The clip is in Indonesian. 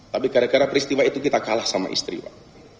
tapi gara gara peristiwa itu kita kalah sama istri pak